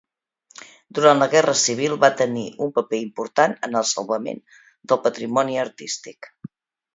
Durant la guerra civil va tenir un paper important en el salvament del patrimoni artístic.